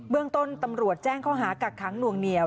เรื่องต้นตำรวจแจ้งข้อหากักขังหน่วงเหนียว